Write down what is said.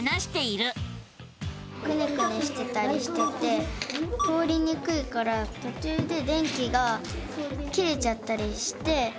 くねくねしてたりしてて通りにくいからとちゅうで電気が切れちゃったりして。